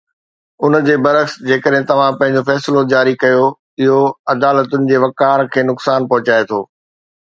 ان جي برعڪس، جيڪڏهن توهان پنهنجو فيصلو جاري ڪيو، اهو عدالتن جي وقار کي نقصان پهچائي ٿو